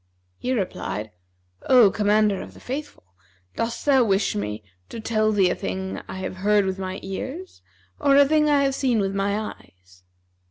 He replied, "O Commander of the Faithful, dost thou wish me to tell thee a thing I have heard with my ears or a thing I have seen with my eyes?"